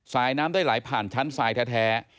ทรายน้ำได้หลายผ่านชั้นทรายแท้